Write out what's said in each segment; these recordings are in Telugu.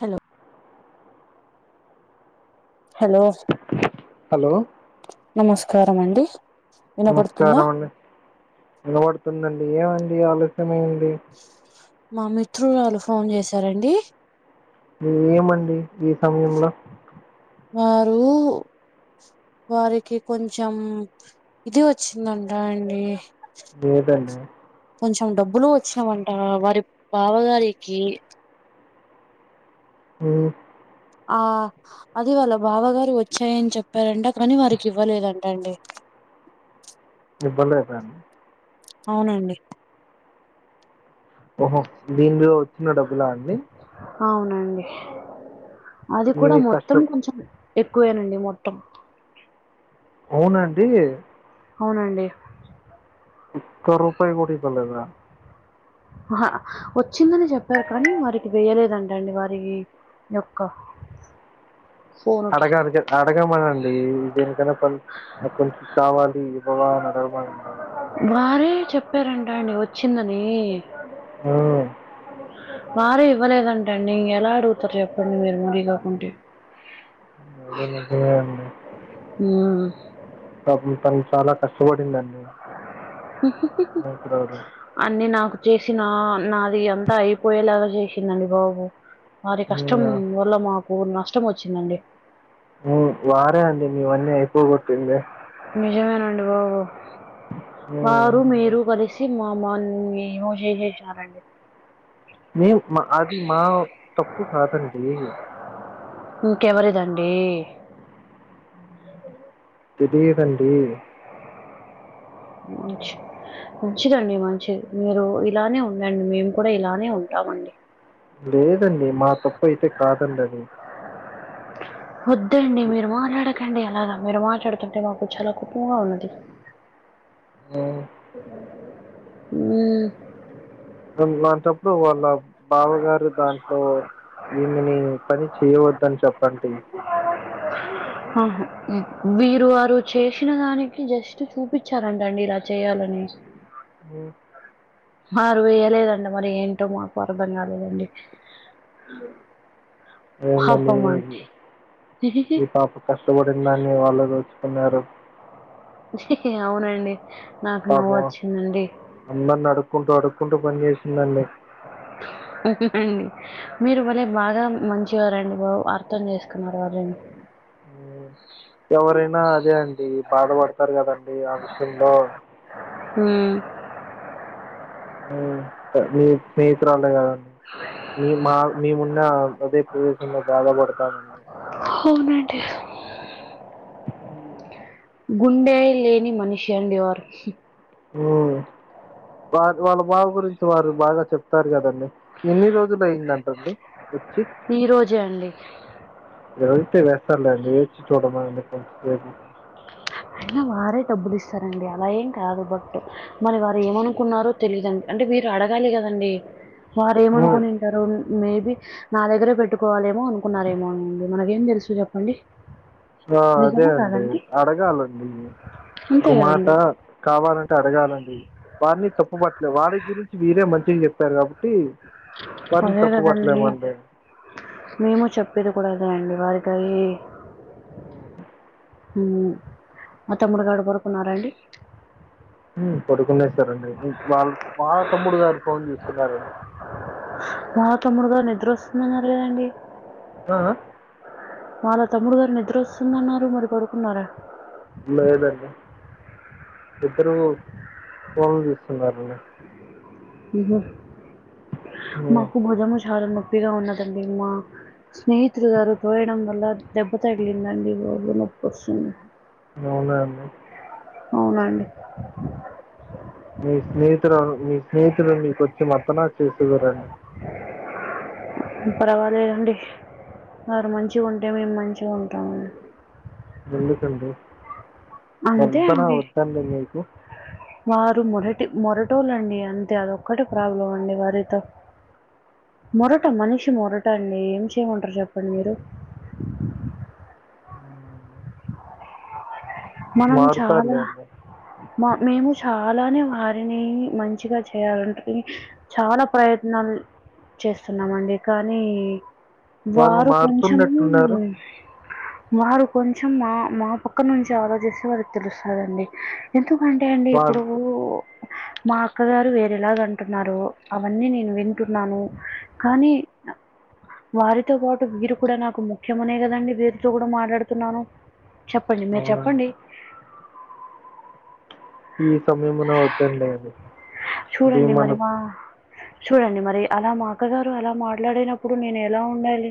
హలో హలో హలో నమస్కారం అండి వినపడుతుందా నమస్కారం అండి వినబడుతుందండి ఏమండి ఆలస్యమే [inaudible] మా మిత్రురాలు ఫోన్ చేసారండి ఊ ఏమండి ఈ సమయంలో మారు వారికి కొంచెం ఇది వచ్చిందంట అండి ఏదండి కొంచెం డబ్బులు వచ్చినవంట వారి బావగారికి హో ఆ అది వాళ్ళ బావగారు వచ్చాయని చెప్పారంట కానీ వారికి ఇవ్వలేదంట అండి ఇబ్బలేదని అవునండి ఓహో దీనిలో వచ్చిన డబ్బులా అండి అవునండి అది కూడా మీ మొత్తం కష్టం కొంచెం ఎక్కువేనండి మొట్టం అవునా అండి అవునండి ఒక్క రూపాయి కూడా ఇవ్వలేదా ఆహా వచ్చిందని చెప్పారు కానీ వారికి వేయలేదంటండి వారికి యొక్క ఫోనుకి అడగాలి కదా- అడగమనండి దేనికన్నా పని కొంచెం కావాలి ఇవ్వవా అని అడగమనండి వారే చెప్పారంటండి వచ్చిందని ఓ వారే ఇవ్వలేదంటండి ఎలా అడుగుతారు చెప్పండి మీరు మరీ కాకుంటే ఐతే [inaudible] చెయ్యండి ఊ పాపం తను చాలా కష్టపడిందండి [inaudible] స్నేహితురాలు అన్నీ నాకు చేసిన నాది అంతా అయిపోయేలాగా చేసిందండి బాబు వారి కష్టం అవునా వల్ల మాకు నష్టం వచ్చిందండి ఊ వారే అండి మీవన్నీ అయిపోగొట్టింది నిజమేనండి బాబు హ్మ్. వారు మీరు కలిస్ చి మా మాని ఏమో చేసేసినారండి మే మా అది మా తప్పు కాదండి ఇంకెవరిదండి తెలియదండి ఉంచి మంచిదండి మంచిది మీరు ఇలానే ఉండండి మేం కూడా ఇలానే ఉంటామండి లేదండి మా తప్పు అయితే కాదండి అది వద్దండి మీరు మాట్లాడకండి అలాగా మీరు మాట్లాడుతుంటే మాకు చాలా కోపంగా ఉన్నది హ్మ్. ఉమ్ అలాంటప్పుడు వాళ్ళ బావగారు దాంట్లో ఇమిని పని చేయవద్దని చెప్పండి అ ఆహ వీరు వారు చేసిన దానికి జస్ట్ చూపించారంట అండి ఇలా చేయాలని ఉం హరు వేయలేదండి మరి ఏంటో మాకు అర్థం కాలేదండి అ [unintelligible] అడి ఈ పాప కష్టపడిన దాన్ని వాళ్ళు దోచుకున్నారు అవునండి నాకు నవ్వు పాపం వచ్చిందండి అందరిని అడుక్కుంటూ అడుక్కుంటూ పనిచేసిందండి అండి మీరు మళ్ళ బాగా మంచివారండి బాబు అర్థం చేసుకున్నారు వాళ్ళని ఎవరైనా అదే అండి బాధపడతారు కదండి ఆ విషయంలో ఉం మీ స్నేహితురాలే కదండి అ మీ మా మేమున్న అదే ప్రదేశంలో బాధపడతామండి అవునండీ గుండె లేని మనిషి అండి వారు ఉం వాళ్ళ బాబ గురించి వారు బాగా చెప్తారు కదండి ఎన్ని రోజులు అయిందంటండి వచ్చి ఈ రోజే అండి ఇది రజతే వెసర్లే అడి వచి చూడమ అ కొంచెం స [unintelligible] అయినా వారే డబ్బులు ఇస్తారండి అలా ఏం కాదు బట్ మరి వారు ఏమనుకున్నారో తెలీదండి అంటే మీరు అడగాలి కదండి వారు హ్మ్. ఏమనుకుని మేబి నా దగ్గరే పెట్టుకోవాలేమో అనుకున్నారేమో అనిండి మనకేం తెలుసు చెప్పండి ఆ అదే నిజమా అండి కాదండి అడగాలండి అంతే ఒక మాట కదండి కావాలంటే అడగాలండి వారిని తప్పుబట్టలే వాడి గురించి వీరే మంచిగా చెప్పారు కాబటి టి వారిని అదే తప్పు కదండి పట్టలేమండి మేము చెప్పేది కూడా అదే అండి వారికి అయి అ మ తమ్ముడిగాడు కొరుకున్నారంండి [unintelligible] ఉం పడుకునేసారండి వాళ్ళ వాళ్ళ తమ్ముడు గారి ఫోన్ చూస్తున్నారండి వాళ తమ్ముడుగారు నిద్ర వస్తుందన్నారు గ దండి ఆ ఆ వాళ్ళ తమ్ముడు గారు నిద్ర వస్తుందన్నారు మరి పడుకున్నారా లేదండీ ఇద్దరు ఫోన్లు చూస్తున్న రండి హు హమ్ హ్మ్. మాకు భుజము చాలము [unintelligible] ఇప్పగా ఉన్నదండి అమ్మా స్నేహితుడు గారు తోయడం వల్ల దెబ్బతగిలిందండి బాబు నొప్పి వస్తుంది అవునాండి అవునండి మీ స్నేహితులు మీ స్నేహితులు మీకొచ్చి [unintelligible] మత్తనా చేస రండి పరవాలేదండి వారు మంచిగా ఉంటే మేము మంచిగా ఉంటామండి ఎందుకండీ అంతే అండి మీకు వారు మొరటి మొరటోళ్ళండి అంతే అదొక్కటి ప్రాబ్లం అండి వారితో అ మొరట మనిషి మొరట అండి ఏం చేయమంటారు చెప్పండి మీరు మనం మారుతారులే చాలా అండి మా మేము చాలానే వారిని మంచిగా చేయాలంటు చాలా ప్రయత్నాలు చేస్తున్నామండి కానీ వాళ్ళు వారు కొంచెం మారుతున్నట్టున్నారు వారు కొంచెం మా మా పక్క నుంచి ఆలోచిస్తే వారికి తెలుస్తారండి ఎందుకంటే అండి ఇప్పుడు వాళ్ళు మా అక్కగారు వేరేలాగంటున్నారు అవన్నీ నేను వింటున్నాను కానీ వారితో పాటు వీరు కూడా నాకు ముఖ్యమునే కదండి వీరితో కూడా మాట్లాడుతున్నాను చెప్పండి మీరు చెప్పండి అవునండి ఈ సమయమున వద్దండి అది అది చూడండి మరి మనకు మా చూడండి మరి అలా మా అక్కగారు అలా మాట్లాడినప్పుడు నేను ఎలా ఉండాలి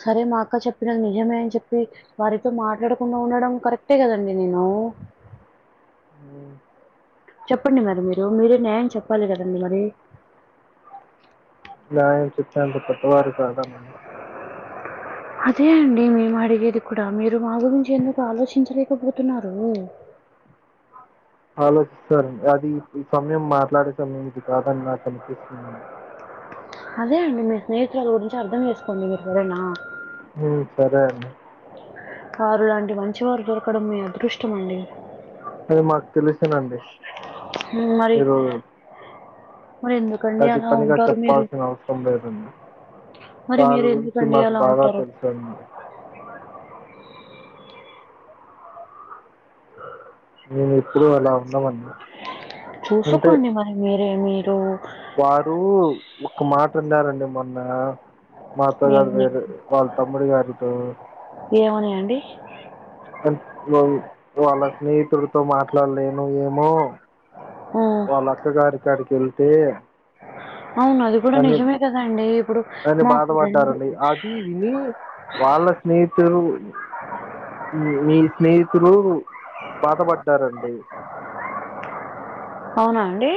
సరే మా అక్క చెప్పినది నిజమే అని చెప్పి వారితో మాట్లాడకుండా ఉండడం కరెక్టే కదండి నేను చెప్పండి మరి మీరు మీరే న్యాయం చెప్పాలి కదండి మరి న్యాయం చెప్పేంత పెట్టవారిని కాదమ్మా అదే అండి మేము అడిగేది కూడా మీరు మా గురించి ఎందుకు ఆలోచించలేకపోతున్నారు ఆలోచిస్తారండి అది ఈ సమయం మాట్లాడే సమయం ఇది కాదని నాకు అనిపిస్తుందండి అదే అండి మీ స్నేహతులు గురించి అర్థం చేసుకోండి మీరు కూడానా హ్మ్ సరే అండి సారు లాంటి మంచి వారు దొరకడం మీ అదృష్టం అండి అది మాకు తెలిసునండి హ్మ్ మరి మరి ఎందుకు అదే పనిగా చెప్పాల్సిన అవసరం లేదండి మరి దాని మీరు గురించి ఎందుకండి మాకు అలా బాగా ఉంటారు? తెలుసాండి నేను ఎప్పుడు అంటే చూసుకోండి మరి మీరే మీరు వారు ఒక మాట అన్నారండి మొన్న మా అత్త గారి ఏమని పేరు వాళ్ల తమ్ముడి గారితో ఏమని అండీ ఆ వాళ్ళ స్నేహితుడితో మాట్లాడలేను ఏమో హ్మ్ వాళ్ళ అక్క గారి కాడికి వెళ్తే అవును అది కూడా నిజమే కదాండి ఇప్పుడు అని మాకు రెండు బాధపడ్డారండి. అది విని వాళ్ళ స్నేహితులు మీ స్నేహితులు బాధపడ్డారండి అవునా అండి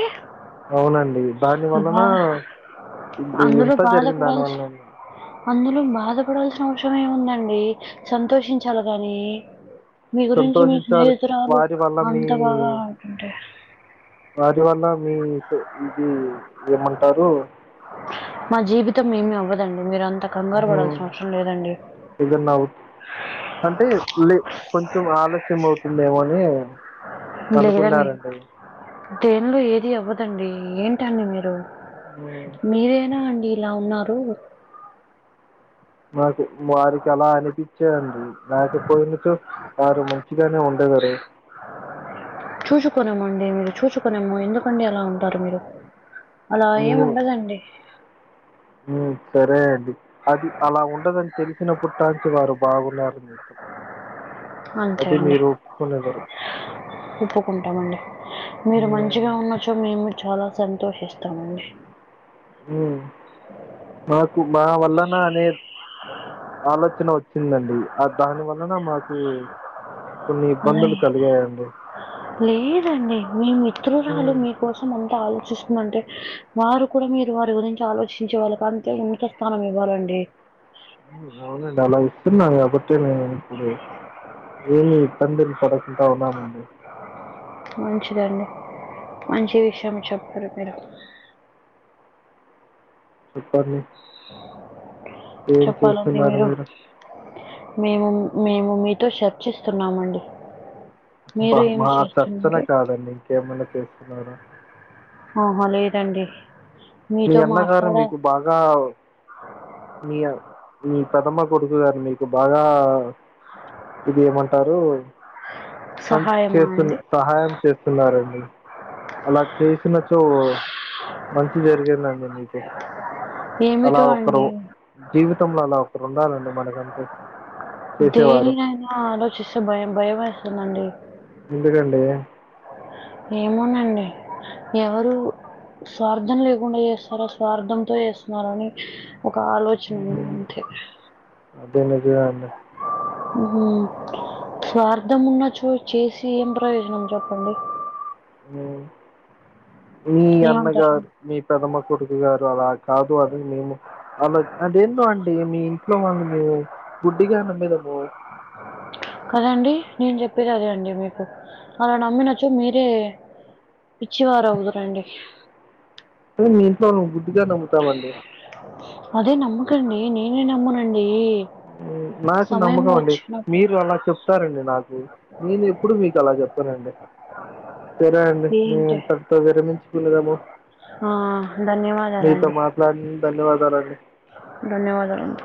అవునండి దాని వలన బాధ ఇది అందులో ఇంత జరిగిన దాని బాధపడాల్సి వలనండి అందులో బాధపడాల్సిన అవసరం ఏముందండి సంతోషించాలి గాని మీ గురించి మీ సంతోషించాలి. స్నేహితురాలు వారి వల్ల మీ అంత బాగా ఆడుతుంటె వాటి వల్ల మీ స్ ఇది ఏమంటారు మా జీవితం ఏమి అవ్వదండి మిరంత కంగార్ పడాల్సిన అవసరం లేదం ఇదన్నావు అంటే లే కొంచం ఆలస్యం అవుతుందేమో అని లేదండి. అనుకున్నారండి దేనిలో ఏది అవ్వదండి ఏంటండి మీరు హ్మ్. మీరేనా అండి ఇలా ఉన్నారు నాకు వారికి అలా అనిపిచ్చ అండి రాకపోయినచో వారు మం చి గనే ఉండదరు చూసుకున్నామండి మీరు చూసుుకున్నాము ఎందుకండి అలా ఉంటారు మీరు అలా ఎం ఉండదండి మ్ సరే అండి అది అలా ఉండదని తెలిసినప్పుడ్ టన్చ్ వారు బాగున్నారండి అంతే అది అండి మీరు ఒప్కునేదరు ఒప్పుకుంటామండి మీరు హ్మ్, మంచిగ ఉన్నచో మేము చాల సంతోషిస్తామండి మ్ మాకు మా వల్లన అనే ఆలోచన వచ్చిందండి ఆ దాని వల్లన మాకు కొన్ని అలే ఇబ్బందులు కలిగాయండి లేదండి మీ మిత్రురాలు హ్మ్, మీ కోసం అంతా ఆలోచిస్తుందంటే వారు కూడ మీరు వారి గురించి ఆలోచించే వాళ్ళకి అంతే ఉన్త స్థానం ఇవ్వాలండి అవునండి అలా ఇస్తున్నాన్ కాబట్టె నేను ఇప్పుడు ఏమి ఇబ్బందిల్ పడకుంట ఉన్నామండి మంచిదండి మంచి విషయామే చెప్పిరు మిరు చెప్పాలి చెప్పాలండి మీరు మేము మేము మితో షర్చిస్తున్నామండి బ మా చర్చన కాదండి ఇంకేమన్న చేస్తున్నార ఆహా లేదండి మీ మీతో అన్నగారు మాట్లాడ మీకు బాగా మియ మీ పెదమ్మ కొడుకు గారు మీకు బాగా ఇదేమంటారు మంచ్ సహాయమా చేస్తున్న అండి సహాయం చేస్తున్నారండి అలా చేసిన చో జరిగిందండి మీకు అలా ఏమిటో ఒకరు అండి జీవితంలో అలా ఒకరు ఉండాలండి మనకంటూ చేసేవారు. దేనినైనా ఆలోచిస్తే భయం భయం వేస్తుందండి ఎందుకండీ ఏమోనండి ఎవరు స్వార్థం లేకుండ చేస్తారా స్వార్థంతో చేస్తున్నార అని ఒక ఆలో చుంది అంతే అదేంది ఎడ్డిదాంల ఉహూ స్వార్థమున్నచో చేసి ఏం ప్రయోజనం జెప్పండి మీ ఏమంటారు అన్నగారు మీ పెదమ కొడుకు గారు అలా కాదు అదీ మేము అల అదేంటో అండీ మీ ఇంట్లో వాళ్ళ [unintelligible] గుడ్డిగా నమ్మిదనమూ కదా అండి నేన్ జెప్పేదదే అండి మీకు అలా నమ్మినచో మీరే పిచ్చివారవుదురండి తే మీ ఇంట్లో గుడ్డుగా నమ్ముతామండి అదే నమ్మకండీ నేనే నమ్మునండీ నాకు నమ్మకమండి మీరు అలా చెప్ ప్తారండి నాకూ నేను యెప్పుడూ మీకలా జెప్ సరె అండి సరే అండి మేం ఏంటి ఇంతటితో విరమించికునెదాము ఆ మీతో ధన్యవాదాలండి మాట్లాడి ధన్యవాదాలండి ధన్యవాదాలండి